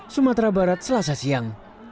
sumatera barat selasa siang